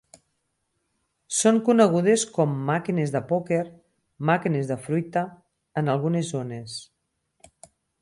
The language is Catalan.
Són conegudes com "màquines de pòquer" "màquines de fruita" en algunes zones.